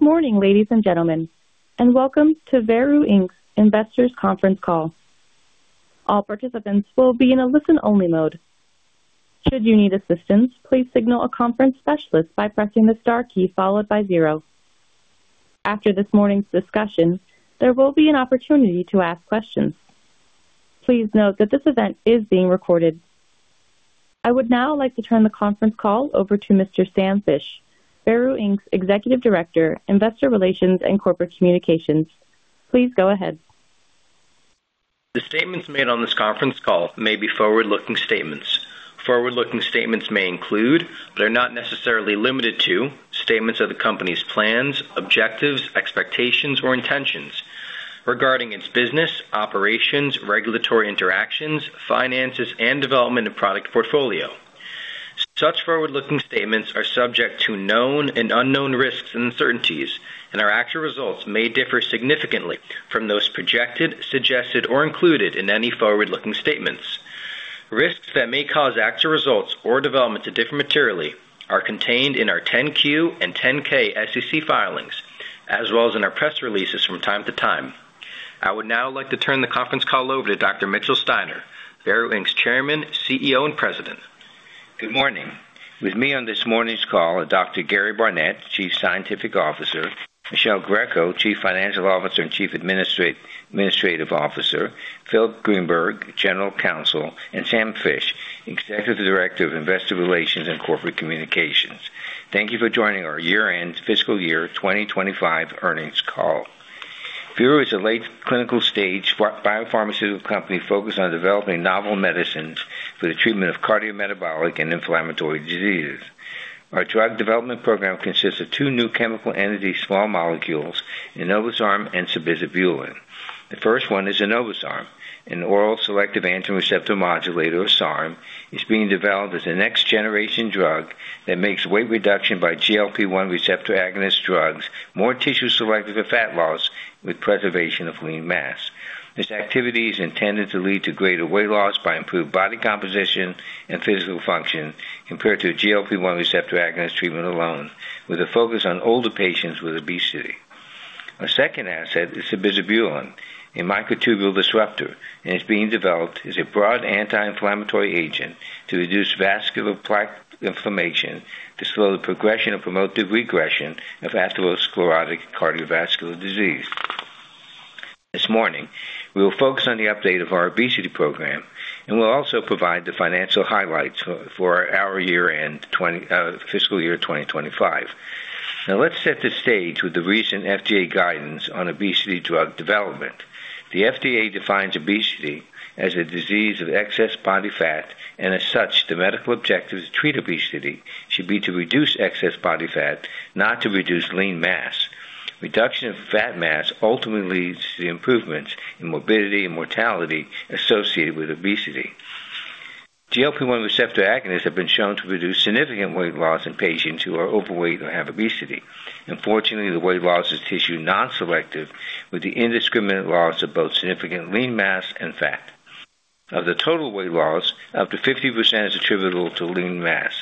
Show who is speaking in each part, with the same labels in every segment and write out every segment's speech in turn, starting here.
Speaker 1: Good morning, ladies and gentlemen, and welcome to Veru Inc.'s Investors Conference Call. All participants will be in a listen-only mode. Should you need assistance, please signal a conference specialist by pressing the star key followed by zero. After this morning's discussion, there will be an opportunity to ask questions. Please note that this event is being recorded. I would now like to turn the conference call over to Mr. Sam Fisch, Veru Inc.'s Executive Director, Investor Relations and Corporate Communications. Please go ahead.
Speaker 2: The statements made on this conference call may be forward-looking statements. Forward-looking statements may include, but are not necessarily limited to, statements of the company's plans, objectives, expectations, or intentions regarding its business, operations, regulatory interactions, finances, and development of product portfolio. Such forward-looking statements are subject to known and unknown risks and uncertainties, and our actual results may differ significantly from those projected, suggested, or included in any forward-looking statements. Risks that may cause actual results or developments to differ materially are contained in our 10-Q and 10-K SEC filings, as well as in our press releases from time to time. I would now like to turn the conference call over to Dr. Mitchell Steiner, Veru Inc.'s Chairman, CEO, and President.
Speaker 3: Good morning. With me on this morning's call are Dr. Gary Barnette, Chief Scientific Officer, Michele Greco, Chief Financial Officer and Chief Administrative Officer, Philip Greenberg, General Counsel, and Sam Fisch, Executive Director of Investor Relations and Corporate Communications. Thank you for joining our year-end fiscal year 2025 earnings call. Veru is a late clinical stage biopharmaceutical company focused on developing novel medicines for the treatment of cardiometabolic and inflammatory diseases. Our drug development program consists of two new chemical entities, small molecules, enobosarm and sabizabulin. The first one is enobosarm, an oral selective androgen receptor modulator, or SARM. It's being developed as a next-generation drug that makes weight reduction by GLP-1 receptor agonist drugs more tissue-selective for fat loss with preservation of lean mass. This activity is intended to lead to greater weight loss by improved body composition and physical function compared to GLP-1 receptor agonist treatment alone, with a focus on older patients with obesity. Our second asset is sabizabulin, a microtubule disruptor, and it's being developed as a broad anti-inflammatory agent to reduce vascular plaque inflammation, to slow the progression and promote the regression of atherosclerotic cardiovascular disease. This morning, we will focus on the update of our obesity program, and we'll also provide the financial highlights for our year-end fiscal year 2025. Now, let's set the stage with the recent FDA guidance on obesity drug development. The FDA defines obesity as a disease of excess body fat, and as such, the medical objectives to treat obesity should be to reduce excess body fat, not to reduce lean mass. Reduction of fat mass ultimately leads to improvements in morbidity and mortality associated with obesity. GLP-1 receptor agonists have been shown to reduce significant weight loss in patients who are overweight or have obesity. Unfortunately, the weight loss is tissue-non-selective, with the indiscriminate loss of both significant lean mass and fat. Of the total weight loss, up to 50% is attributable to lean mass.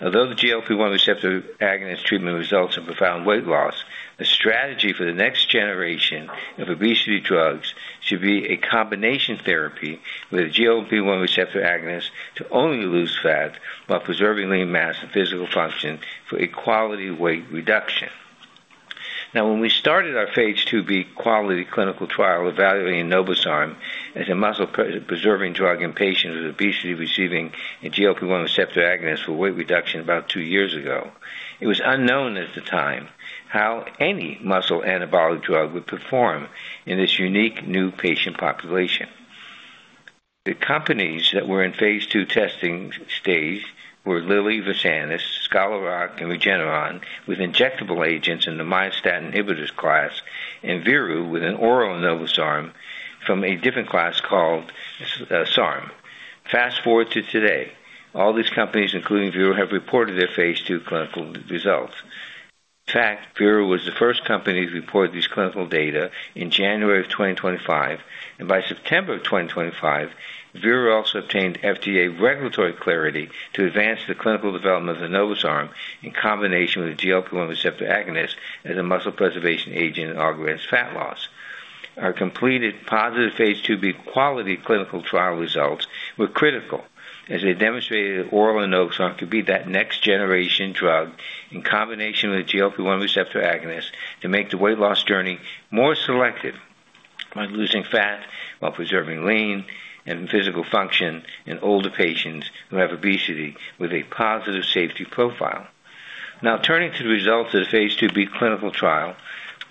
Speaker 3: Although the GLP-1 receptor agonist treatment results in profound weight loss, the strategy for the next generation of obesity drugs should be a combination therapy with GLP-1 receptor agonists to only lose fat while preserving lean mass and physical function for equality weight reduction. Now, when we started our Phase 2b QUALITY clinical trial evaluating enobosarm as a muscle-preserving drug in patients with obesity receiving a GLP-1 receptor agonist for weight reduction about two years ago, it was unknown at the time how any muscle anabolic drug would perform in this unique new patient population. The companies that were in phase 2 testing stage were Lilly Versanis, Scholar Rock, and Regeneron with injectable agents in the myostatin inhibitors class, and Veru with an oral enobosarm from a different class called SARM. Fast forward to today, all these companies, including Veru, have reported their phase 2 clinical results. In fact, Veru was the first company to report these clinical data in January of 2025, and by September of 2025, Veru also obtained FDA regulatory clarity to advance the clinical development of enobosarm in combination with GLP-1 receptor agonists as a muscle-preservation agent in augmenting fat loss. Our completed positive Phase 2b QUALITY clinical trial results were critical, as they demonstrated that oral enobosarm could be that next-generation drug in combination with GLP-1 receptor agonists to make the weight loss journey more selective by losing fat while preserving lean and physical function in older patients who have obesity with a positive safety profile. Now, turning to the results of the Phase 2b clinical trial,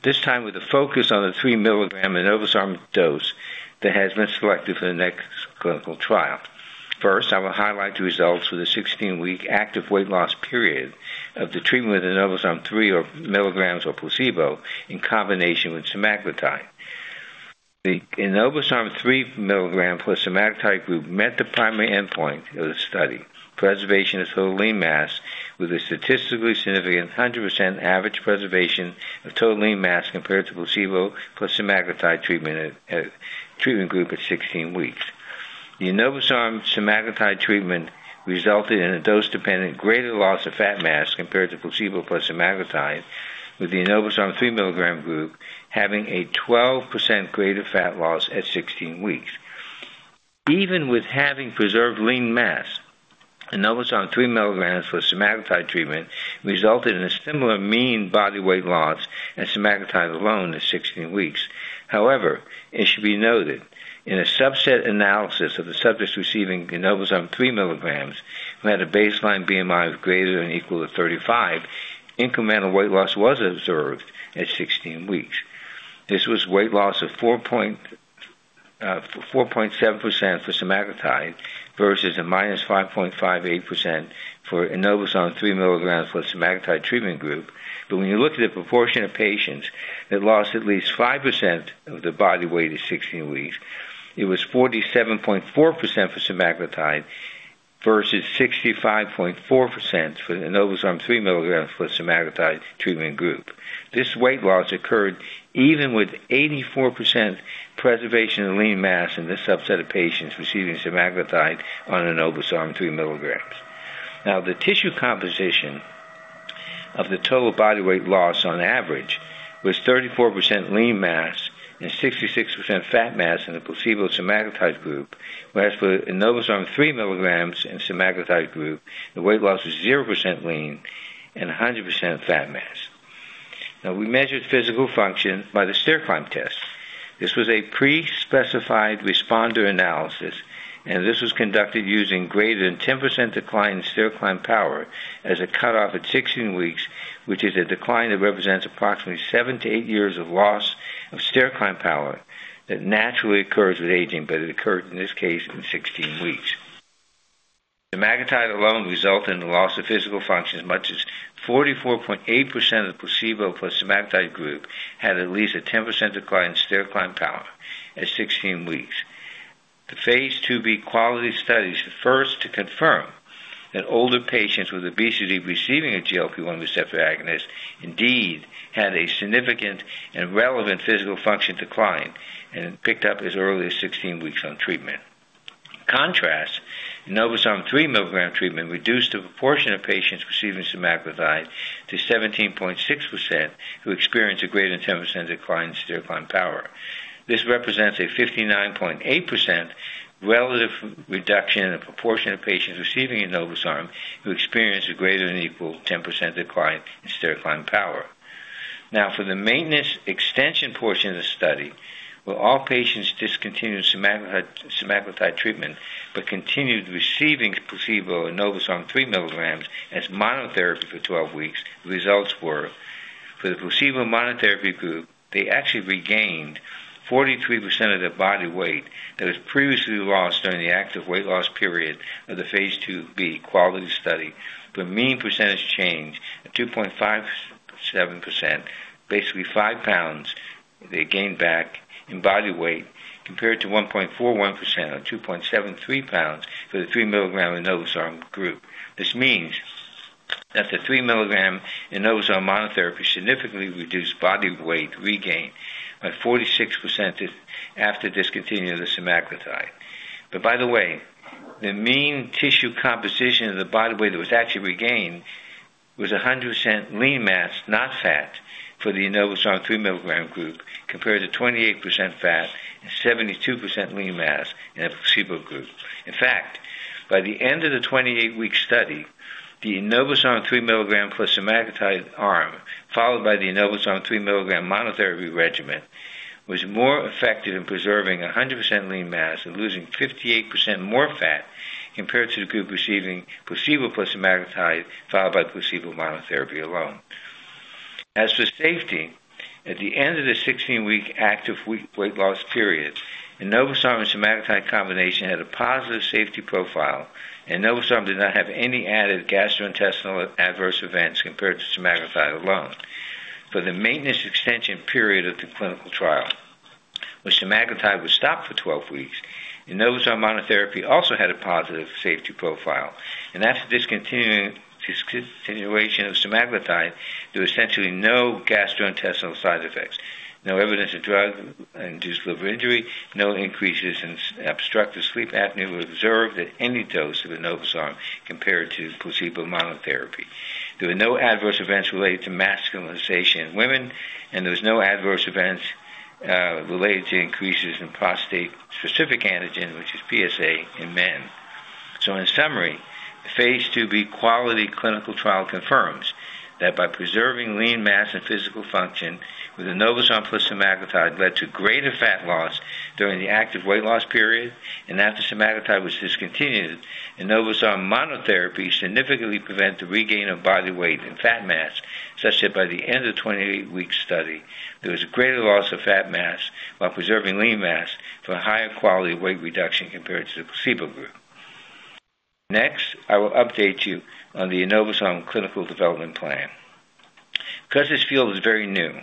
Speaker 3: this time with a focus on the three-milligram enobosarm dose that has been selected for the next clinical trial. First, I will highlight the results with a 16-week active weight loss period of the treatment with enobosarm three milligrams or placebo in combination with semaglutide. The enobosarm 3 milligram plus semaglutide group met the primary endpoint of the study: preservation of total lean mass with a statistically significant 100% average preservation of total lean mass compared to placebo plus semaglutide treatment group at 16 weeks. The enobosarm semaglutide treatment resulted in a dose-dependent greater loss of fat mass compared to placebo plus semaglutide, with the enobosarm 3-milligram group having a 12% greater fat loss at 16 weeks. Even with having preserved lean mass, enobosarm 3 milligrams plus semaglutide treatment resulted in a similar mean body weight loss as semaglutide alone at 16 weeks. However, it should be noted, in a subset analysis of the subjects receiving enobosarm 3 milligrams who had a baseline BMI of greater than or equal to 35, incremental weight loss was observed at 16 weeks. This was weight loss of 4.7% for semaglutide versus a -5.58% for Enobosarm 3 milligrams plus semaglutide treatment group. But when you look at the proportion of patients that lost at least 5% of their body weight at 16 weeks, it was 47.4% for semaglutide versus 65.4% for the enobosarm 3 milligrams plus semaglutide treatment group. This weight loss occurred even with 84% preservation of lean mass in this subset of patients receiving semaglutide on enobosarm 3 milligrams. Now, the tissue composition of the total body weight loss on average was 34% lean mass and 66% fat mass in the placebo semaglutide group, whereas for enobosarm 3 milligrams and semaglutide group, the weight loss was 0% lean and 100% fat mass. Now, we measured physical function by the Stair Climb Test. This was a pre-specified responder analysis, and this was conducted using greater than 10% decline in stair climb power as a cutoff at 16 weeks, which is a decline that represents approximately seven to eight years of loss of stair climb power that naturally occurs with aging, but it occurred in this case in 16 weeks. Semaglutide alone resulted in the loss of physical function as much as 44.8% of the placebo plus semaglutide group had at least a 10% decline in stair climb power at 16 weeks. The Phase 2b QUALITY studies were first to confirm that older patients with obesity receiving a GLP-1 receptor agonist indeed had a significant and relevant physical function decline and picked up as early as 16 weeks on treatment. In contrast, enobosarm 3-milligram treatment reduced the proportion of patients receiving semaglutide to 17.6% who experienced a greater than 10% decline in stair climb power. This represents a 59.8% relative reduction in the proportion of patients receiving enobosarm who experienced a greater than or equal to 10% decline in stair climb power. Now, for the maintenance extension portion of the study, where all patients discontinued semaglutide treatment but continued receiving placebo or enobosarm three milligrams as monotherapy for twelve weeks, the results were for the placebo monotherapy group. They actually regained 43% of their body weight that was previously lost during the active weight loss period of the Phase 2b study, but mean percentage change of 2.57%, basically five pounds they gained back in body weight, compared to 1.41% or 2.73 pounds for the three-milligram enobosarm group. This means that the three-milligram enobosarm monotherapy significantly reduced body weight regain by 46% after discontinuing the semaglutide. By the way, the mean tissue composition of the body weight that was actually regained was 100% lean mass, not fat, for the enobosarm 3-milligram group, compared to 28% fat and 72% lean mass in the placebo group. In fact, by the end of the 28-week study, the enobosarm 3-milligram plus semaglutide arm, followed by the enobosarm 3-milligram monotherapy regimen, was more effective in preserving 100% lean mass and losing 58% more fat compared to the group receiving placebo plus semaglutide followed by placebo monotherapy alone. As for safety, at the end of the 16-week active weight loss period, enobosarm and semaglutide combination had a positive safety profile, and enobosarm did not have any added gastrointestinal adverse events compared to semaglutide alone. For the maintenance extension period of the clinical trial, when semaglutide was stopped for 12 weeks, enobosarm monotherapy also had a positive safety profile. And after discontinuation of semaglutide, there were essentially no gastrointestinal side effects, no evidence of drug-induced liver injury, no increases in obstructive sleep apnea were observed at any dose of enobosarm compared to placebo monotherapy. There were no adverse events related to masculinization in women, and there were no adverse events related to increases in prostate-specific antigen, which is PSA, in men. So in summary, the Phase 2b QUALITY clinical trial confirms that by preserving lean mass and physical function with enobosarm plus semaglutide led to greater fat loss during the active weight loss period, and after semaglutide was discontinued, enobosarm monotherapy significantly prevented the regain of body weight and fat mass, such that by the end of the 28-week study, there was a greater loss of fat mass while preserving lean mass for a higher quality weight reduction compared to the placebo group. Next, I will update you on the enobosarm clinical development plan. Because this field is very new,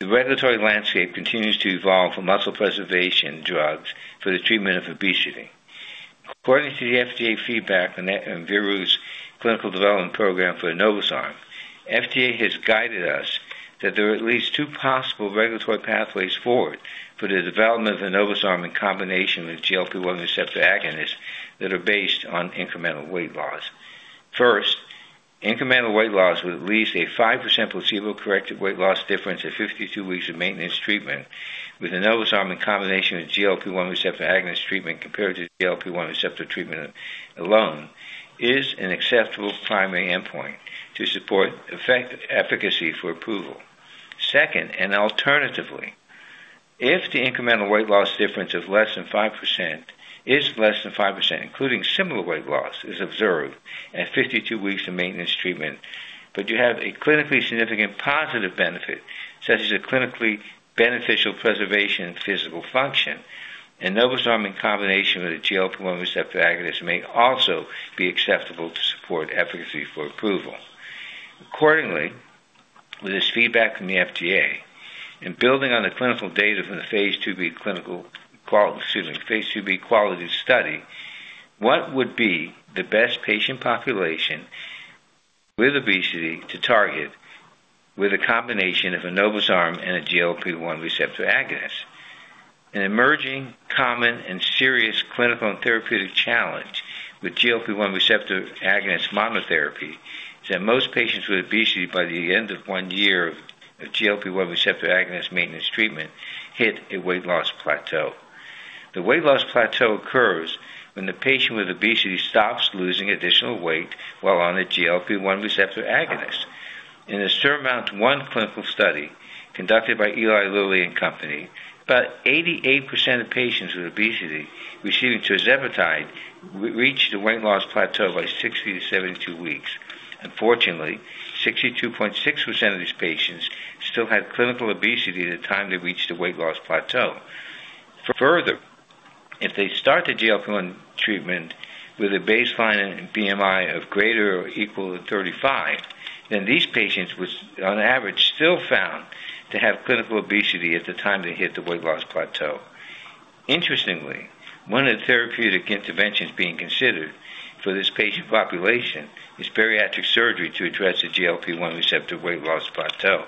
Speaker 3: the regulatory landscape continues to evolve for muscle-preservation drugs for the treatment of obesity. According to the FDA feedback on Veru's clinical development program for enobosarm, FDA has guided us that there are at least two possible regulatory pathways forward for the development of enobosarm in combination with GLP-1 receptor agonists that are based on incremental weight loss. First, incremental weight loss with at least a 5% placebo-corrected weight loss difference at 52 weeks of maintenance treatment with enobosarm in combination with GLP-1 receptor agonist treatment compared to GLP-1 receptor treatment alone is an acceptable primary endpoint to support efficacy for approval. Second, and alternatively, if the incremental weight loss difference of less than 5% is less than 5%, including similar weight loss is observed at 52 weeks of maintenance treatment, but you have a clinically significant positive benefit, such as a clinically beneficial preservation of physical function, enobosarm in combination with a GLP-1 receptor agonist may also be acceptable to support efficacy for approval. Accordingly, with this feedback from the FDA, and building on the clinical data from the Phase 2b QUALITY study, what would be the best patient population with obesity to target with a combination of enobosarm and a GLP-1 receptor agonist? An emerging common and serious clinical and therapeutic challenge with GLP-1 receptor agonist monotherapy is that most patients with obesity by the end of one year of GLP-1 receptor agonist maintenance treatment hit a weight loss plateau. The weight loss plateau occurs when the patient with obesity stops losing additional weight while on a GLP-1 receptor agonist. In the SURMOUNT-1 clinical study conducted by Eli Lilly and Company, about 88% of patients with obesity receiving tirzepatide reached the weight loss plateau by 60-72 weeks. Unfortunately, 62.6% of these patients still had clinical obesity at the time they reached the weight loss plateau. Further, if they start the GLP-1 treatment with a baseline BMI of greater or equal to 35, then these patients were on average still found to have clinical obesity at the time they hit the weight loss plateau. Interestingly, one of the therapeutic interventions being considered for this patient population is bariatric surgery to address the GLP-1 receptor weight loss plateau.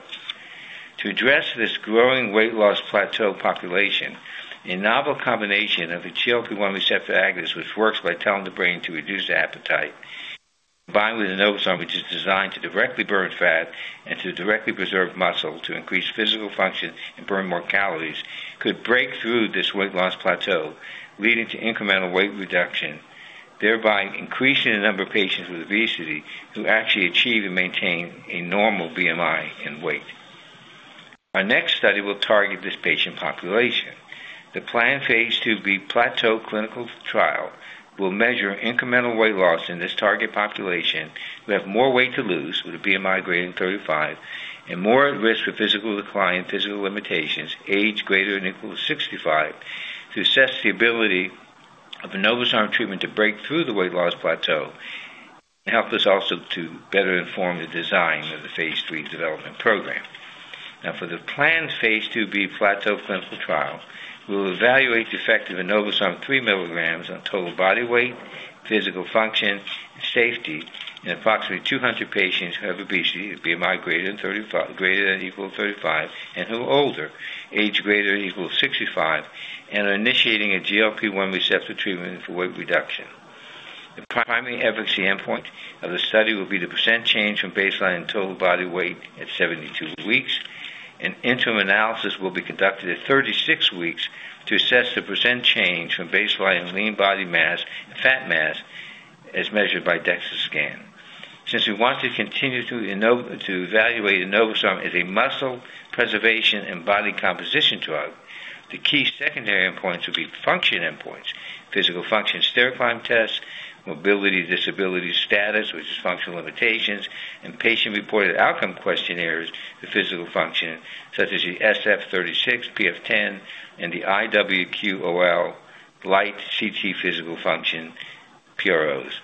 Speaker 3: To address this growing weight loss plateau population, a novel combination of a GLP-1 receptor agonist, which works by telling the brain to reduce appetite, combined with enobosarm, which is designed to directly burn fat and to directly preserve muscle to increase physical function and burn more calories, could break through this weight loss plateau, leading to incremental weight reduction, thereby increasing the number of patients with obesity who actually achieve and maintain a normal BMI and weight. Our next study will target this patient population. The planned Phase 2b PLATEAU clinical trial will measure incremental weight loss in this target population who have more weight to lose with a BMI greater than 35 and more at risk for physical decline and physical limitations, age greater than or equal to 65, to assess the ability of enobosarm treatment to break through the weight loss plateau and help us also to better inform the design of the phase 3 development program. Now, for the planned Phase 2b PLATEAU clinical trial, we will evaluate the effect of enobosarm three milligrams on total body weight, physical function, and safety in approximately 200 patients who have obesity, a BMI greater than or equal to 35, and who are older, age greater than or equal to 65, and are initiating a GLP-1 receptor treatment for weight reduction. The primary efficacy endpoint of the study will be the % change from baseline total body weight at 72 weeks. An interim analysis will be conducted at 36 weeks to assess the % change from baseline lean body mass and fat mass as measured by DEXA scan. Since we want to continue to evaluate enobosarm as a muscle-preservation and body composition drug, the key secondary endpoints will be function endpoints: physical function stair climb tests, mobility, disability, status, which is functional limitations, and patient-reported outcome questionnaires for physical function, such as the SF-36, PF-10, and the IWQOL-Lite-CT physical function PROs,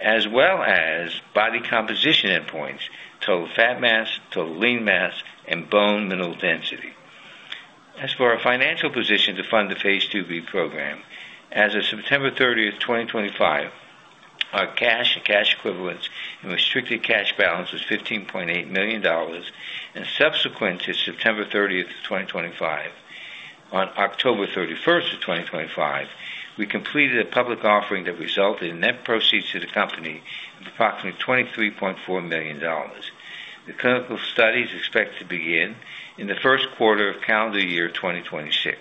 Speaker 3: as well as body composition endpoints: total fat mass, total lean mass, and bone mineral density. As for our financial position to fund the Phase 2b program, as of September 30, 2025, our cash equivalents and restricted cash balance was $15.8 million, and subsequent to September 30th, 2025, on October 31st, 2025, we completed a public offering that resulted in net proceeds to the company of approximately $23.4 million. The clinical study is expected to begin in the first quarter of calendar year 2026.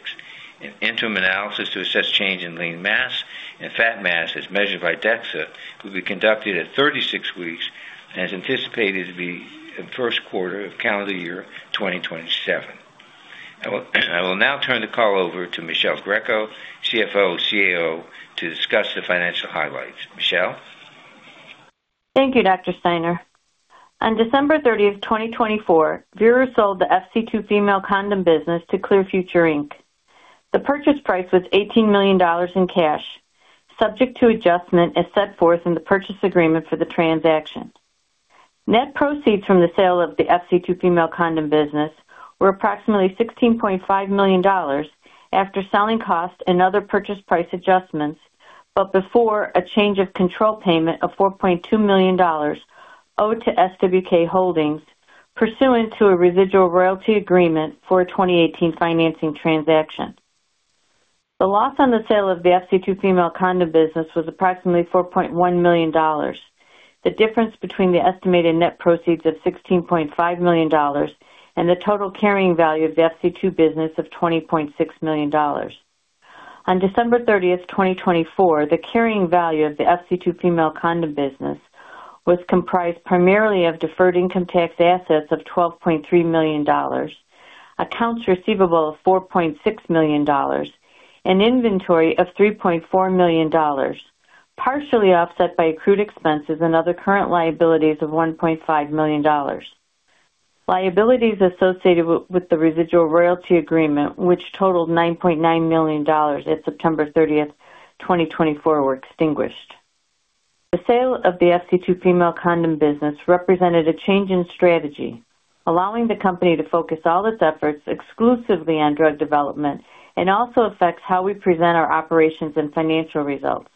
Speaker 3: An interim analysis to assess change in lean mass and fat mass, as measured by DEXA, will be conducted at 36 weeks and is anticipated to be in the first quarter of calendar year 2027. I will now turn the call over to Michele Greco, CFO and CAO, to discuss the financial highlights. Michele?
Speaker 4: Thank you, Dr. Steiner. On December 30th, 2024, Veru sold the FC2 Female Condom business to Clear Future Inc. The purchase price was $18 million in cash, subject to adjustment as set forth in the purchase agreement for the transaction. Net proceeds from the sale of the FC2 Female Condom business were approximately $16.5 million after selling cost and other purchase price adjustments, but before a change of control payment of $4.2 million owed to SWK Holdings, pursuant to a residual royalty agreement for a 2018 financing transaction. The loss on the sale of the FC2 Female Condom business was approximately $4.1 million, the difference between the estimated net proceeds of $16.5 million and the total carrying value of the FC2 business of $20.6 million. On December 30th, 2024, the carrying value of the FC2 Female Condom business was comprised primarily of deferred income tax assets of $12.3 million, accounts receivable of $4.6 million, and inventory of $3.4 million, partially offset by accrued expenses and other current liabilities of $1.5 million. Liabilities associated with the residual royalty agreement, which totaled $9.9 million at September 30th, 2024, were extinguished. The sale of the FC2 Female Condom business represented a change in strategy, allowing the company to focus all its efforts exclusively on drug development and also affects how we present our operations and financial results.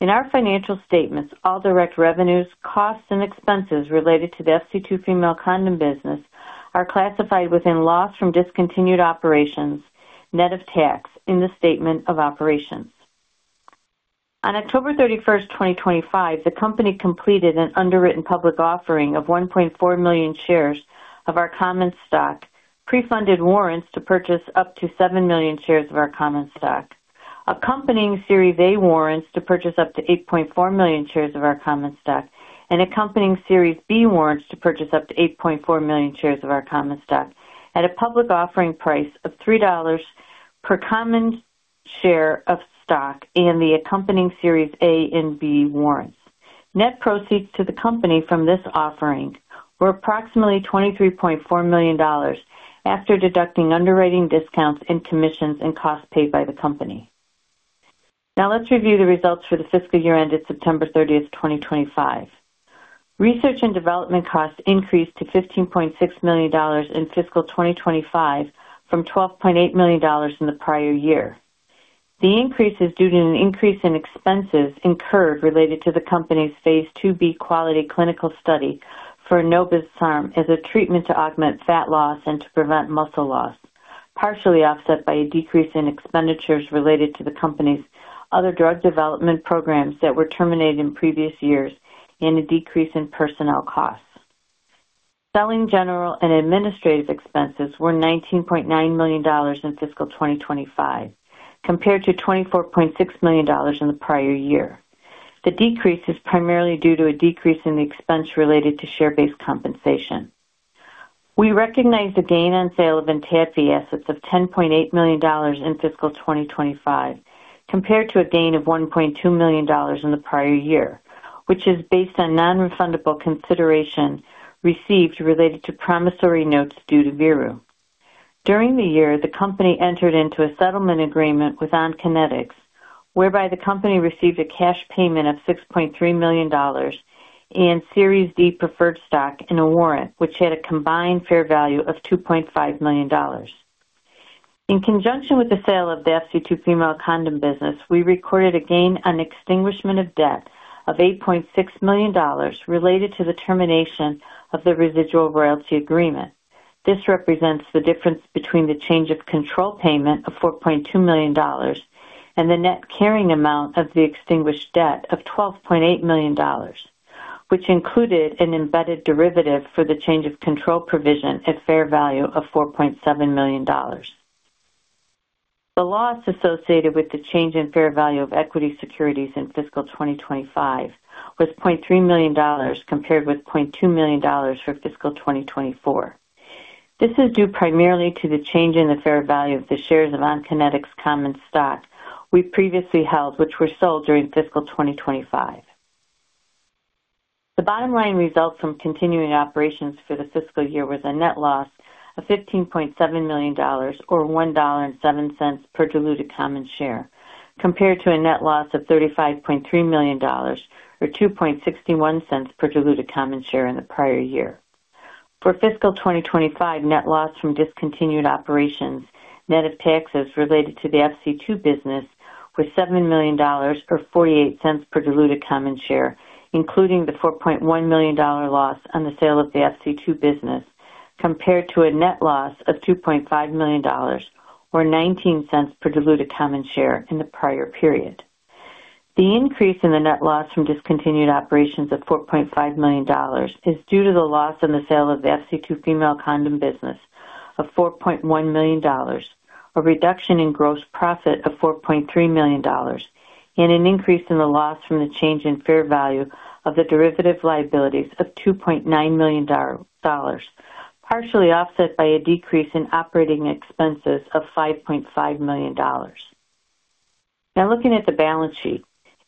Speaker 4: In our financial statements, all direct revenues, costs, and expenses related to the FC2 Female Condom business are classified within loss from discontinued operations, net of tax, in the statement of operations. On October 31st, 2025, the company completed an underwritten public offering of 1.4 million shares of our common stock, pre-funded warrants to purchase up to 7 million shares of our common stock, accompanying Series A warrants to purchase up to 8.4 million shares of our common stock, and accompanying Series B warrants to purchase up to 8.4 million shares of our common stock, at a public offering price of $3 per common share of stock and the accompanying Series A and B warrants. Net proceeds to the company from this offering were approximately $23.4 million after deducting underwriting discounts and commissions and costs paid by the company. Now, let's review the results for the fiscal year ended September 30th, 2025. Research and development costs increased to $15.6 million in fiscal 2025 from $12.8 million in the prior year. The increase is due to an increase in expenses incurred related to the company's Phase 2b obesity clinical study for enobosarm as a treatment to augment fat loss and to prevent muscle loss, partially offset by a decrease in expenditures related to the company's other drug development programs that were terminated in previous years and a decrease in personnel costs. Selling, general and administrative expenses were $19.9 million in fiscal 2025, compared to $24.6 million in the prior year. The decrease is primarily due to a decrease in the expense related to share-based compensation. We recognize the gain on sale of ENTADFI assets of $10.8 million in fiscal 2025, compared to a gain of $1.2 million in the prior year, which is based on non-refundable consideration received related to promissory notes due to Veru. During the year, the company entered into a settlement agreement with Onconetix, whereby the company received a cash payment of $6.3 million and Series D preferred stock in a warrant, which had a combined fair value of $2.5 million. In conjunction with the sale of the FC2 Female Condom business, we recorded a gain on extinguishment of debt of $8.6 million related to the termination of the residual royalty agreement. This represents the difference between the change of control payment of $4.2 million and the net carrying amount of the extinguished debt of $12.8 million, which included an embedded derivative for the change of control provision at fair value of $4.7 million. The loss associated with the change in fair value of equity securities in fiscal 2025 was $0.3 million, compared with $0.2 million for fiscal 2024. This is due primarily to the change in the fair value of the shares of Onconetix' common stock we previously held, which were sold during fiscal 2025. The bottom line result from continuing operations for the fiscal year was a net loss of $15.7 million, or $1.07 per diluted common share, compared to a net loss of $35.3 million, or $2.61 per diluted common share in the prior year. For fiscal 2025, net loss from discontinued operations, net of taxes related to the FC2 business, was $7 million, or $0.48 per diluted common share, including the $4.1 million loss on the sale of the FC2 business, compared to a net loss of $2.5 million, or $0.19 per diluted common share in the prior period. The increase in the net loss from discontinued operations of $4.5 million is due to the loss on the sale of the FC2 Female Condom business of $4.1 million, a reduction in gross profit of $4.3 million, and an increase in the loss from the change in fair value of the derivative liabilities of $2.9 million, partially offset by a decrease in operating expenses of $5.5 million. Now, looking at the balance sheet,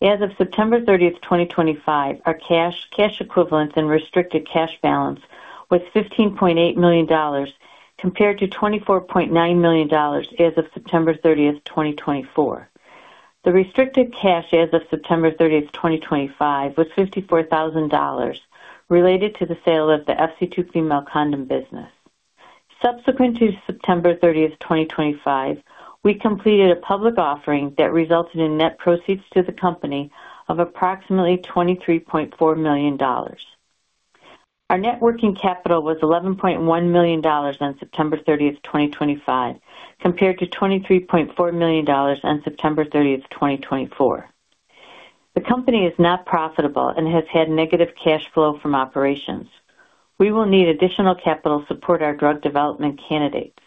Speaker 4: as of September 30th, 2025, our cash, cash equivalents, and restricted cash balance was $15.8 million, compared to $24.9 million as of September 30th, 2024. The restricted cash as of September 30th, 2025, was $54,000 related to the sale of the FC2 Female Condom business. Subsequent to September 30th, 2025, we completed a public offering that resulted in net proceeds to the company of approximately $23.4 million. Our net working capital was $11.1 million on September 30th, 2025, compared to $23.4 million on September 30th, 2024. The company is not profitable and has had negative cash flow from operations. We will need additional capital to support our drug development candidates.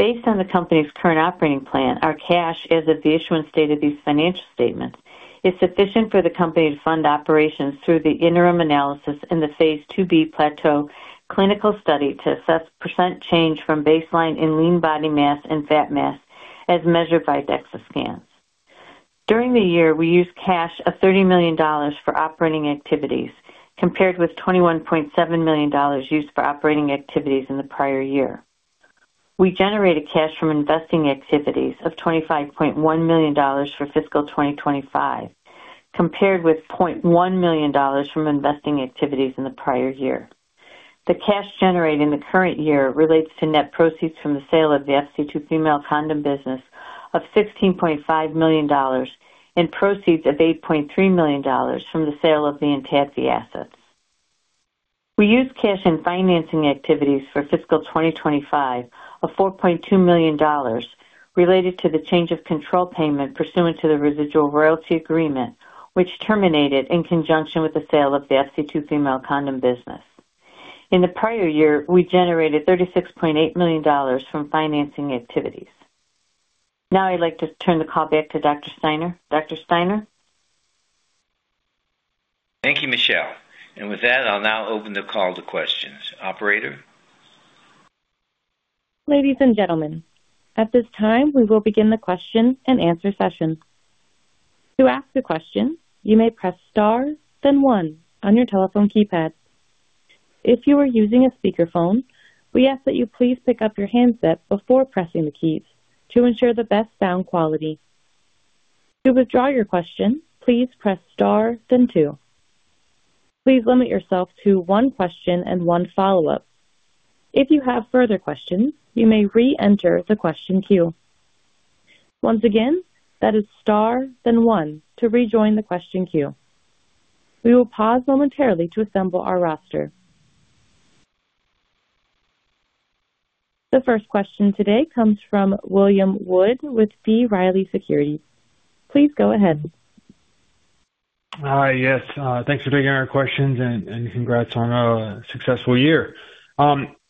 Speaker 4: Based on the company's current operating plan, our cash, as of the issuance date of these financial statements, is sufficient for the company to fund operations through the interim analysis in the Phase 2b PLATEAU clinical study to assess percent change from baseline in lean body mass and fat mass, as measured by DEXA scans. During the year, we used cash of $30 million for operating activities, compared with $21.7 million used for operating activities in the prior year. We generated cash from investing activities of $25.1 million for fiscal 2025, compared with $0.1 million from investing activities in the prior year. The cash generated in the current year relates to net proceeds from the sale of the FC2 Female Condom business of $16.5 million and proceeds of $8.3 million from the sale of the enteropathy assets. We used cash in financing activities for fiscal 2025 of $4.2 million related to the change of control payment pursuant to the residual royalty agreement, which terminated in conjunction with the sale of the FC2 Female Condom business. In the prior year, we generated $36.8 million from financing activities. Now, I'd like to turn the call back to Dr. Steiner. Dr. Steiner?
Speaker 3: Thank you, Michele. And with that, I'll now open the call to questions. Operator?
Speaker 1: Ladies and gentlemen, at this time, we will begin the question and answer session. To ask a question, you may press star then one on your telephone keypad. If you are using a speakerphone, we ask that you please pick up your handset before pressing the keys to ensure the best sound quality. To withdraw your question, please press star then two. Please limit yourself to one question and one follow-up. If you have further questions, you may re-enter the question queue. Once again, that is star then one to rejoin the question queue. We will pause momentarily to assemble our roster. The first question today comes from William Wood with B. Riley Securities. Please go ahead.
Speaker 5: Hi, yes. Thanks for taking our questions and congrats on a successful year.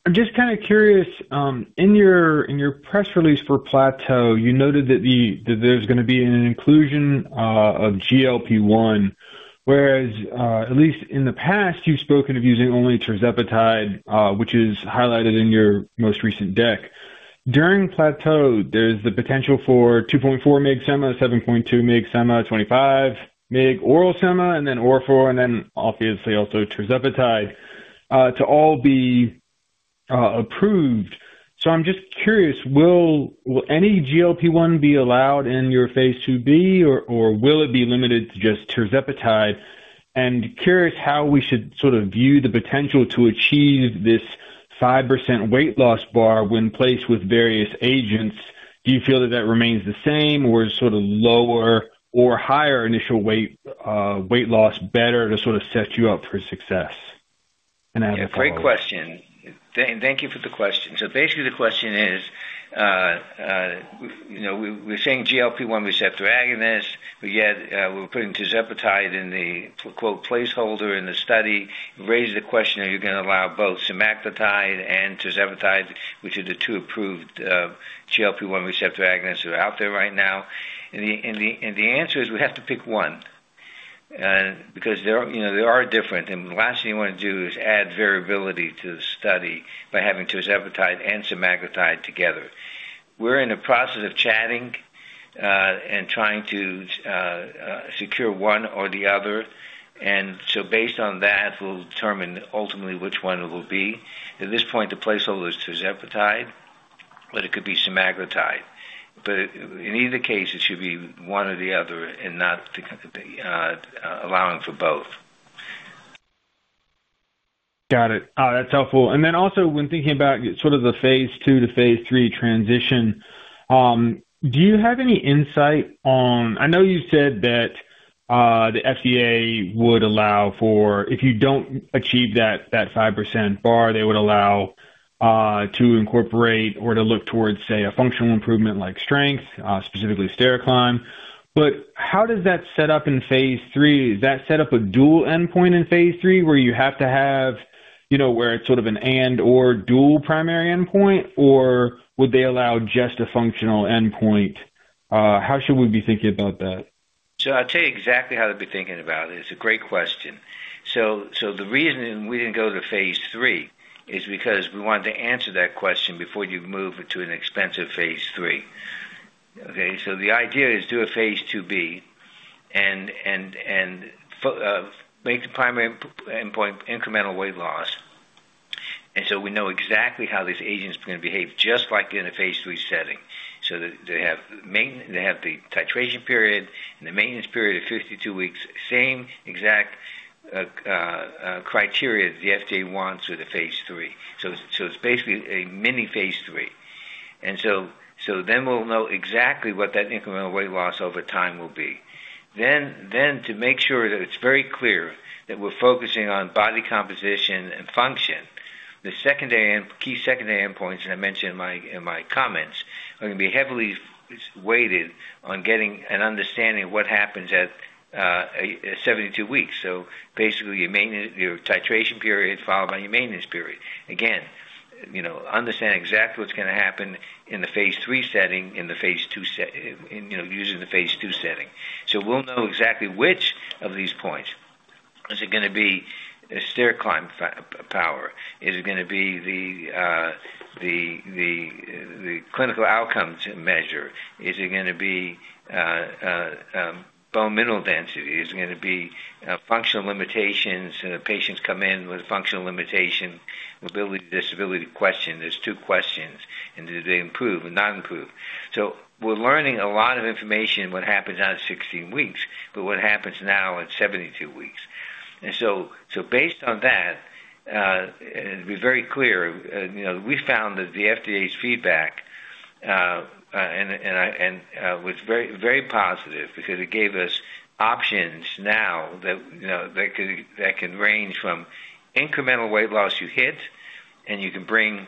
Speaker 5: I'm just kind of curious, in your press release for Plateau, you noted that there's going to be an inclusion of GLP-1, whereas, at least in the past, you've spoken of using only tirzepatide, which is highlighted in your most recent deck. During Plateau, there's the potential for 2.4 mg sema, 7.2 mg sema, 25 mg oral sema, and then orfo, and then obviously also tirzepatide to all be approved. So I'm just curious, will any GLP-1 be allowed in your Phase 2b, or will it be limited to just tirzepatide? And curious how we should sort of view the potential to achieve this 5% weight loss bar when placed with various agents. Do you feel that that remains the same, or is sort of lower or higher initial weight loss better to sort of set you up for success? And I have a follow-up.
Speaker 3: Great question. Thank you for the question. So basically, the question is, we're saying GLP-1 receptor agonist, but yet we're putting tirzepatide in the "placeholder" in the study. It raises the question, are you going to allow both semaglutide and tirzepatide, which are the two approved GLP-1 receptor agonists that are out there right now? And the answer is we have to pick one because they are different. And the last thing you want to do is add variability to the study by having tirzepatide and semaglutide together. We're in the process of chatting and trying to secure one or the other. And so based on that, we'll determine ultimately which one it will be. At this point, the placeholder is tirzepatide, but it could be semaglutide. But in either case, it should be one or the other and not allowing for both.
Speaker 5: Got it. That's helpful. And then also, when thinking about sort of the phase 2 to phase 3 transition, do you have any insight on, I know you said that the FDA would allow for, if you don't achieve that 5% bar, they would allow to incorporate or to look towards, say, a functional improvement like strength, specifically stair climb? But how does that set up in phase 3? Is that set up a dual endpoint in phase 3 where you have to have, it's sort of an and/or dual primary endpoint, or would they allow just a functional endpoint? How should we be thinking about that?
Speaker 3: So I'll tell you exactly how to be thinking about it. It's a great question. So the reason we didn't go to phase 3 is because we wanted to answer that question before you move to an expensive phase 3. Okay? So the idea is do a Phase 2b and make the primary endpoint incremental weight loss. And so we know exactly how these agents are going to behave just like in a phase 3 setting. So they have the titration period and the maintenance period of 52 weeks, same exact criteria that the FDA wants with a phase 3. So it's basically a mini phase 3. And so then we'll know exactly what that incremental weight loss over time will be. Then to make sure that it's very clear that we're focusing on body composition and function, the key secondary endpoints that I mentioned in my comments are going to be heavily weighted on getting an understanding of what happens at 72 weeks. So basically, your titration period followed by your maintenance period. Again, understand exactly what's going to happen in the phase 3 setting in the phase 2 setting, using the phase 2 setting. So we'll know exactly which of these points is it going to be stair climb power? Is it going to be the clinical outcomes measure? Is it going to be bone mineral density? Is it going to be functional limitations? Patients come in with a functional limitation, mobility, disability question. There's two questions and did they improve or not improve? So we're learning a lot of information on what happens out of 16 weeks, but what happens now at 72 weeks? And so, based on that, to be very clear, we found that the FDA's feedback was very positive because it gave us options now that can range from incremental weight loss you hit, and you can bring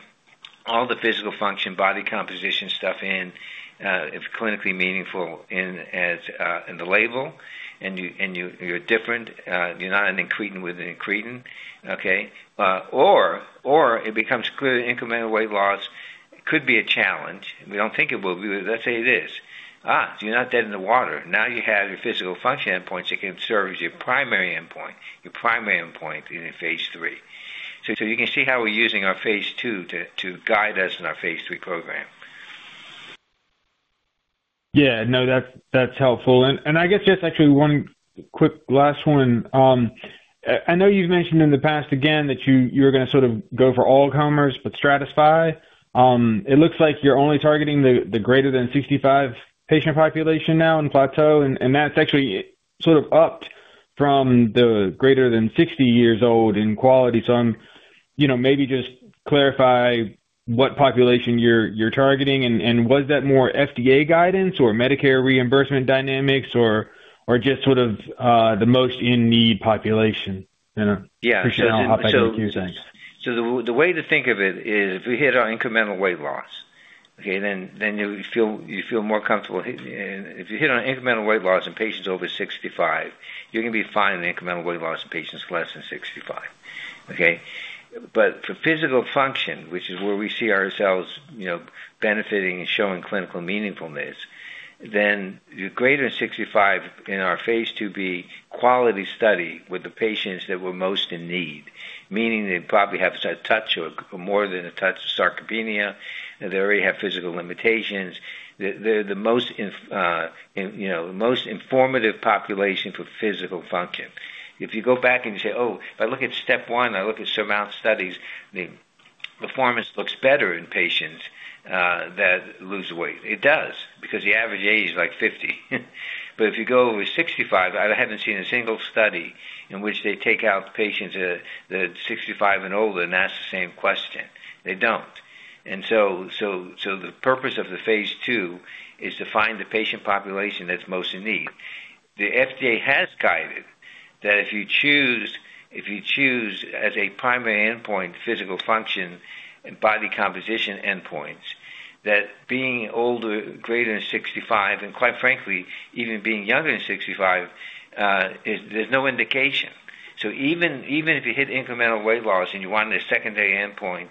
Speaker 3: all the physical function, body composition stuff in, if clinically meaningful, in the label, and you're different. You're not an incretin with an incretin, okay? Or it becomes clear that incremental weight loss could be a challenge. We don't think it will be, but let's say it is. You're not dead in the water. Now you have your physical function endpoints that can serve as your primary endpoint, your primary endpoint in phase 3. So you can see how we're using our phase 2 to guide us in our phase 3 program.
Speaker 5: Yeah. No, that's helpful. And I guess just actually one quick last one. I know you've mentioned in the past, again, that you're going to sort of go for all comers but stratify. It looks like you're only targeting the greater than 65 patient population now in plateau, and that's actually sort of upped from the greater than 60 years old in quality. So maybe just clarify what population you're targeting, and was that more FDA guidance or Medicare reimbursement dynamics or just sort of the most in need population?
Speaker 3: I appreciate the question. Thanks. So the way to think of it is if we hit our incremental weight loss, okay, then you feel more comfortable. If you hit on incremental weight loss in patients over 65, you're going to be fine on incremental weight loss in patients less than 65, okay? But for physical function, which is where we see ourselves benefiting and showing clinical meaningfulness, then the greater than 65 in our Phase 2b QUALITY study with the patients that were most in need, meaning they probably have a touch or more than a touch of sarcopenia, they already have physical limitations, they're the most informative population for physical function. If you go back and you say, "Oh, if I look at SURMOUNT-1, I look at SURMOUNT studies, the performance looks better in patients that lose weight." It does because the average age is like 50. But if you go over 65, I haven't seen a single study in which they take out patients that are 65 and older and ask the same question. They don't. And so the purpose of the phase 2 is to find the patient population that's most in need. The FDA has guided that if you choose as a primary endpoint physical function and body composition endpoints, that being older, greater than 65, and quite frankly, even being younger than 65, there's no indication. So even if you hit incremental weight loss and you want a secondary endpoint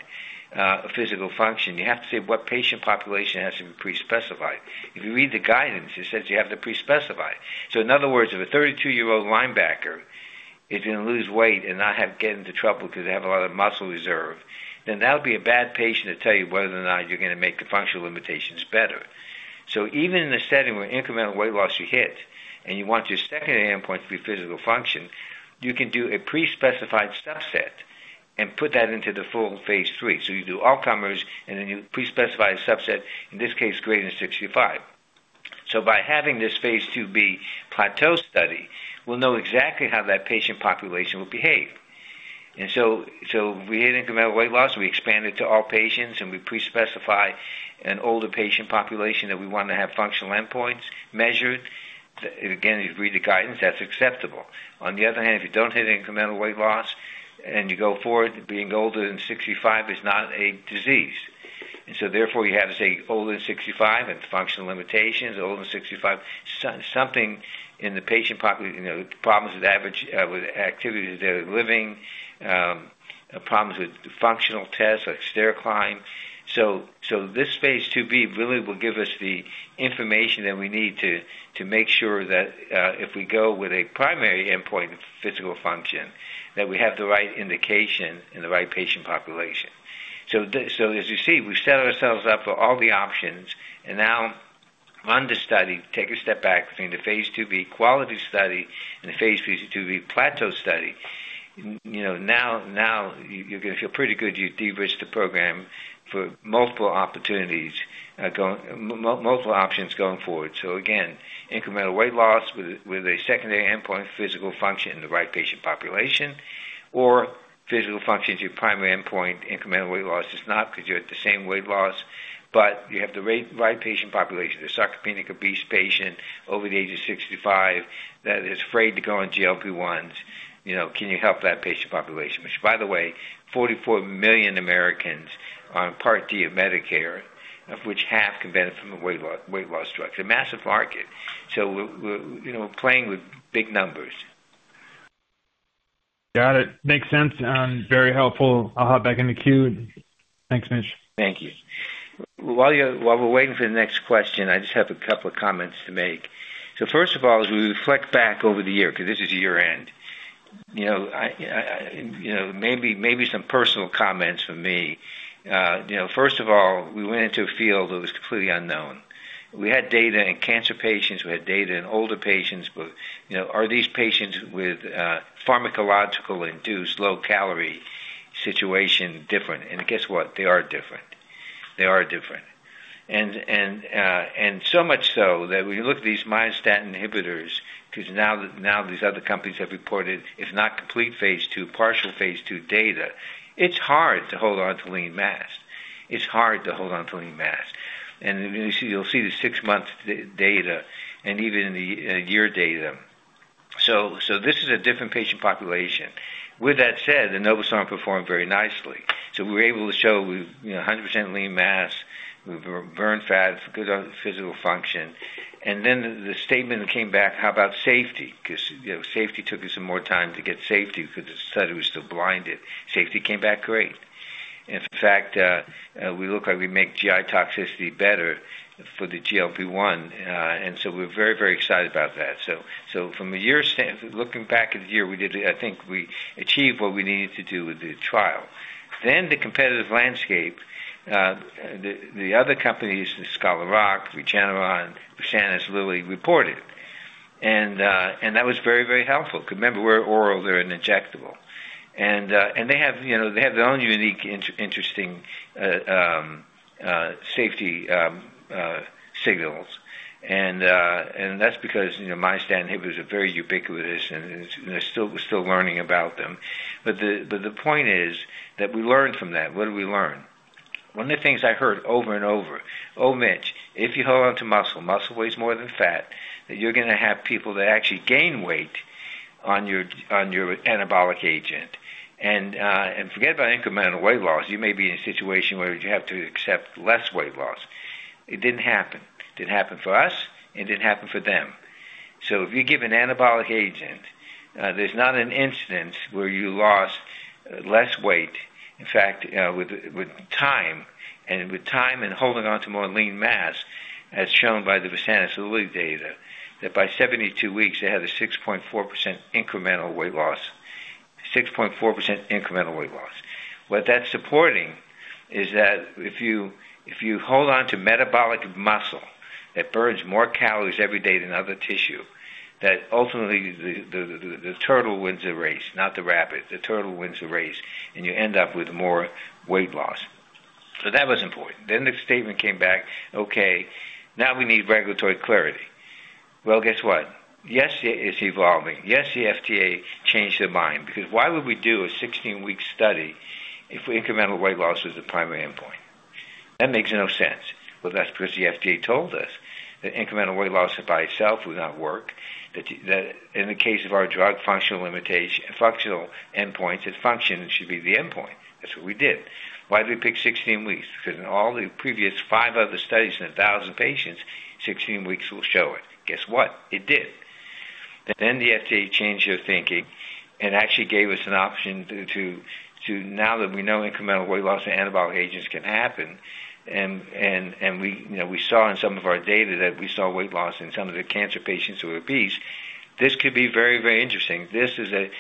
Speaker 3: of physical function, you have to say what patient population has to be pre-specified. If you read the guidance, it says you have to pre-specify. So in other words, if a 32-year-old linebacker is going to lose weight and not get into trouble because they have a lot of muscle reserve, then that'll be a bad patient to tell you whether or not you're going to make the functional limitations better. So even in a setting where incremental weight loss you hit and you want your secondary endpoint to be physical function, you can do a pre-specified subset and put that into the full phase 3. So you do all comers and then you pre-specify a subset, in this case, greater than 65. So by having this Phase 2b PLATEAU study, we'll know exactly how that patient population will behave. And so we hit incremental weight loss, we expand it to all patients, and we pre-specify an older patient population that we want to have functional endpoints measured. Again, you read the guidance, that's acceptable. On the other hand, if you don't hit incremental weight loss and you go forward, being older than 65 is not a disease. And so therefore, you have to say older than 65 and functional limitations, older than 65, something in the patient population, problems with activities of daily living, problems with functional tests like stair climb. So this Phase 2b really will give us the information that we need to make sure that if we go with a primary endpoint of physical function, that we have the right indication and the right patient population. So as you see, we set ourselves up for all the options, and now run the study, take a step back between the Phase 2b QUALITY study and the Phase 2b PLATEAU study. Now you're going to feel pretty good you've de-risked the program for multiple opportunities, multiple options going forward. So again, incremental weight loss with a secondary endpoint, physical function in the right patient population, or physical function to your primary endpoint, incremental weight loss is not because you're at the same weight loss, but you have the right patient population, the sarcopenic-obese patient over the age of 65 that is afraid to go on GLP-1s. Can you help that patient population? Which, by the way, 44 million Americans are on Part D of Medicare, of which half can benefit from a weight loss drug. It's a massive market. So we're playing with big numbers.
Speaker 5: Got it. Makes sense. Very helpful. I'll hop back in the queue. Thanks, Mitch.
Speaker 3: Thank you. While we're waiting for the next question, I just have a couple of comments to make. So first of all, as we reflect back over the year, because this is year-end, maybe some personal comments for me. First of all, we went into a field that was completely unknown. We had data in cancer patients, we had data in older patients, but are these patients with pharmacological-induced low-calorie situation different? And guess what? They are different. They are different. And so much so that when you look at these myostatin inhibitors, because now these other companies have reported, if not complete phase 2, partial phase 2 data, it's hard to hold on to lean mass. It's hard to hold on to lean mass. And you'll see the six-month data and even the year data. So this is a different patient population. With that said, the Enobosarm performed very nicely. So we were able to show 100% lean mass, we burned fat, good physical function. And then the statement that came back, how about safety? Because safety took us some more time to get safety because the study was still blinded. Safety came back great. In fact, we look like we make GI toxicity better for the GLP-1, and so we're very, very excited about that. From a year standpoint, looking back at the year, I think we achieved what we needed to do with the trial. Then the competitive landscape, the other companies, Scholar Rock, Regeneron, Versanis, as Lilly reported, and that was very, very helpful. Because remember, we're oral, they're an injectable. And they have their own unique, interesting safety signals. And that's because myostatin inhibitors are very ubiquitous, and we're still learning about them. But the point is that we learned from that. What did we learn? One of the things I heard over and over, "Oh, Mitch, if you hold on to muscle, muscle weighs more than fat, that you're going to have people that actually gain weight on your anabolic agent. And forget about incremental weight loss. You may be in a situation where you have to accept less weight loss." It didn't happen. It didn't happen for us, and it didn't happen for them. So if you give an anabolic agent, there's not an incidence where you lost less weight. In fact, with time and holding on to more lean mass, as shown by the Versanis, as Lilly data, that by 72 weeks, they had a 6.4% incremental weight loss, 6.4% incremental weight loss. What that's supporting is that if you hold on to metabolic muscle that burns more calories every day than other tissue, that ultimately the turtle wins the race, not the rabbit. The turtle wins the race, and you end up with more weight loss. So that was important. Then the statement came back, "Okay, now we need regulatory clarity." Well, guess what? Yes, it's evolving. Yes, the FDA changed their mind. Because why would we do a 16-week study if incremental weight loss was the primary endpoint? That makes no sense. Well, that's because the FDA told us that incremental weight loss by itself would not work. In the case of our drug functional endpoints, the function should be the endpoint. That's what we did. Why did we pick 16 weeks? Because in all the previous five other studies in a thousand patients, 16 weeks will show it. Guess what? It did. Then the FDA changed their thinking and actually gave us an option to, now that we know incremental weight loss and anabolic agents can happen, and we saw in some of our data that we saw weight loss in some of the cancer patients who are obese, this could be very, very interesting. This is a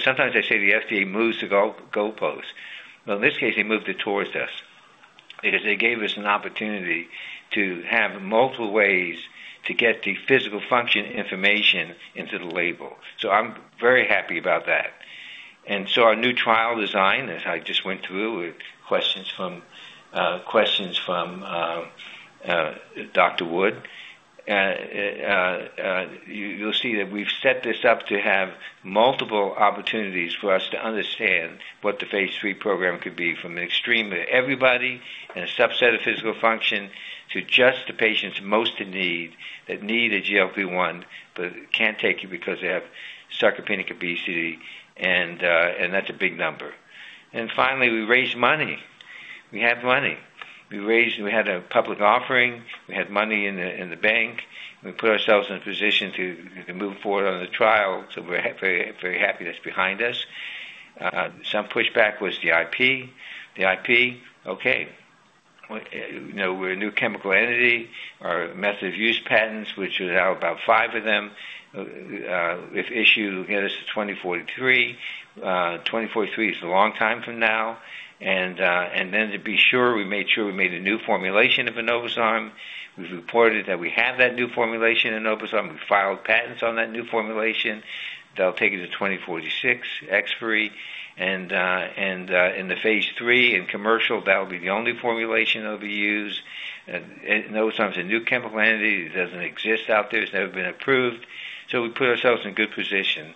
Speaker 3: sometimes they say the FDA moves the goalposts. Well, in this case, they moved it towards us because they gave us an opportunity to have multiple ways to get the physical function information into the label. So I'm very happy about that. And so our new trial design, as I just went through with questions from Dr. Wood, you'll see that we've set this up to have multiple opportunities for us to understand what the phase 3 program could be from an extreme of everybody and a subset of physical function to just the patients most in need that need a GLP-1 but can't take it because they have sarcopenic obesity, and that's a big number. And finally, we raised money. We had money. We had a public offering. We had money in the bank. We put ourselves in a position to move forward on the trial. So we're very happy that's behind us. Some pushback was the IP. The IP, okay. We're a new chemical entity. Our method of use patents, which are now about five of them. If issued, we'll get us to 2043. 2043 is a long time from now. Then to be sure, we made sure we made a new formulation of the enobosarm. We've reported that we have that new formulation of enobosarm. We filed patents on that new formulation. They'll take it to 2046 expiry. And in the phase 3 and commercial, that will be the only formulation that'll be used. Enobosarm is a new chemical entity. It doesn't exist out there. It's never been approved. So we put ourselves in good position.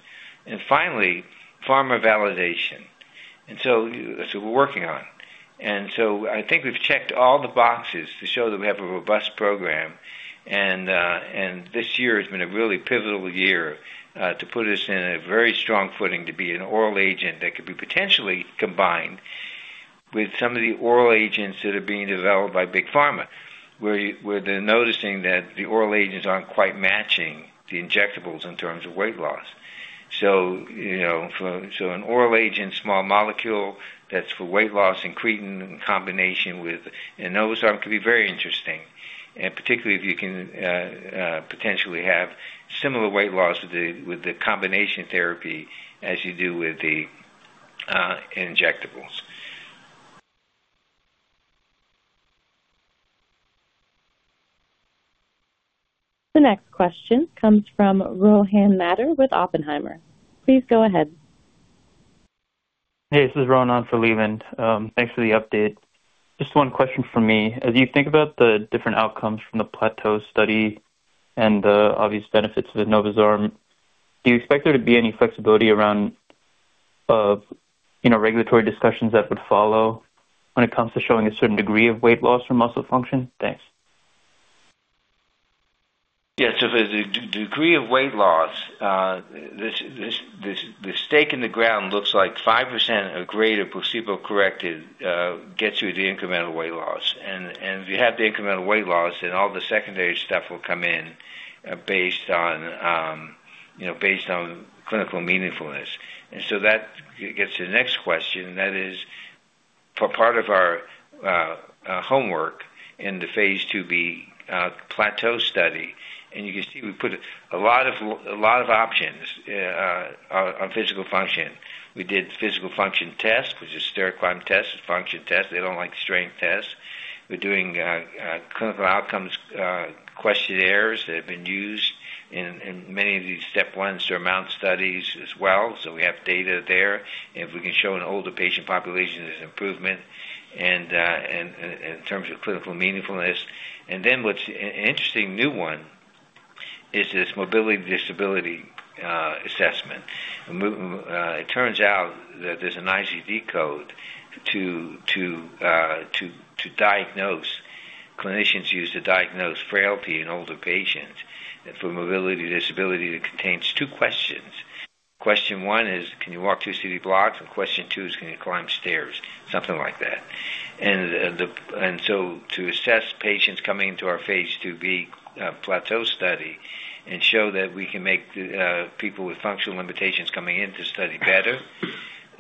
Speaker 3: And finally, pharma validation. And so we're working on. And so I think we've checked all the boxes to show that we have a robust program. This year has been a really pivotal year to put us in a very strong footing to be an oral agent that could be potentially combined with some of the oral agents that are being developed by Big Pharma, where they're noticing that the oral agents aren't quite matching the injectables in terms of weight loss, so an oral agent, small molecule that's for weight loss and creatine in combination with enobosarm could be very interesting, and particularly if you can potentially have similar weight loss with the combination therapy as you do with the injectables.
Speaker 1: The next question comes from Rohan Mathur with Oppenheimer. Please go ahead. Hey, this is [Ronan Slevin]. Thanks for the update. Just one question for me. As you think about the different outcomes from the plateau study and the obvious benefits of the enobosarm, do you expect there to be any flexibility around regulatory discussions that would follow when it comes to showing a certain degree of weight loss from muscle function? Thanks.
Speaker 3: Yeah, so the degree of weight loss, the stake in the ground looks like 5% or greater placebo-corrected gets you to incremental weight loss. And if you have the incremental weight loss, then all the secondary stuff will come in based on clinical meaningfulness, and so that gets to the next question, and that is for part of our homework in the Phase 2b PLATEAU study, and you can see we put a lot of options on physical function. We did physical function tests, which is stair climb tests, function tests. They don't like strength tests. We're doing clinical outcomes questionnaires that have been used in many of these SURMOUNT-1 studies as well. So we have data there. If we can show an older patient population, there's improvement in terms of clinically meaningfulness. And then what's an interesting new one is this mobility disability assessment. It turns out that there's an ICD code that clinicians use to diagnose frailty in older patients for mobility disability that contains two questions. Question one is, Can you walk two city blocks? And question two is, Can you climb stairs? Something like that. And so to assess patients coming into our Phase 2b PLATEAU study and show that we can make people with functional limitations coming into the study better,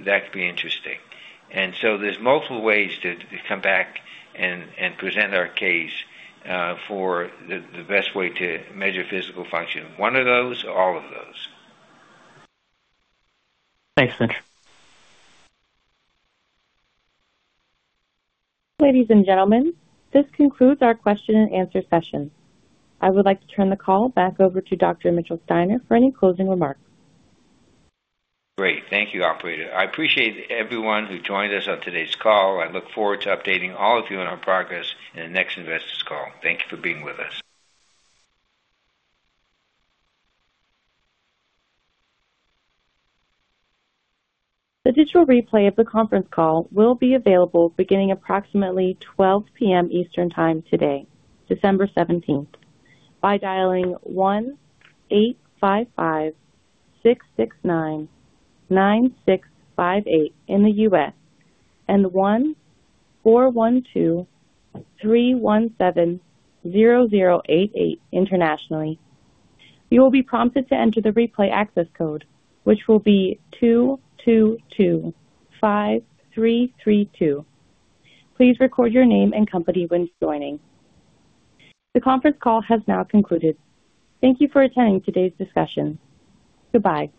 Speaker 3: that could be interesting. And so there's multiple ways to come back and present our case for the best way to measure physical function. One of those or all of those.
Speaker 6: Thanks, Mitch.
Speaker 1: Ladies and gentlemen, this concludes our question and answer session. I would like to turn the call back over to Dr. Mitchell Steiner for any closing remarks.
Speaker 3: Great. Thank you, Operator. I appreciate everyone who joined us on today's call. I look forward to updating all of you on our progress in the next investors' call. Thank you for being with us.
Speaker 1: The digital replay of the conference call will be available beginning approximately 12:00 P.M. Eastern Time today, December 17th, by dialing 1-855-669-9658 in the U.S. and 1-412-317-0088 internationally. You will be prompted to enter the replay access code, which will be 2225332. Please record your name and company when joining. The conference call has now concluded. Thank you for attending today's discussion. Goodbye.